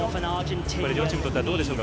両チームにとってはどうでしょう。